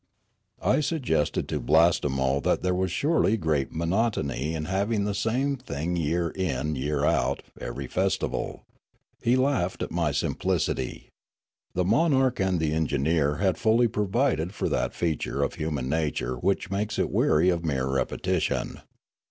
I suggested to Blastemo that there was surely great monotony in having the same thing year in, year out, every festival. He laughed at my simplicity. The monarch and the engineer had fully provided for that feature of human nature which makes it weary of mere repetition.